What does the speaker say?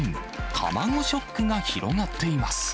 卵ショックが広がっています。